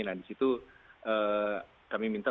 nah di situ kami minta